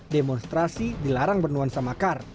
demonstrasi dilarang bernuan sama kar